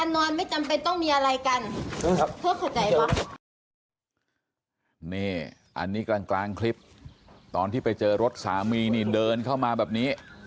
นี่อันนี้กลางคลิปตอนที่ไปเจอรถสามีนี่เดินเข้ามาแบบนี้